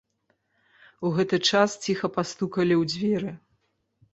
У гэты час ціха пастукалі ў дзверы.